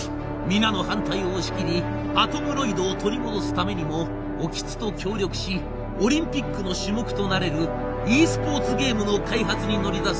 皆の反対を押し切りアトムロイドを取り戻すためにも興津と協力しオリンピックの種目となれるｅスポーツゲームの開発に乗り出す